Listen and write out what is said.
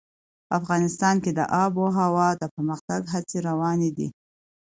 افغانستان کې د آب وهوا د پرمختګ هڅې روانې دي.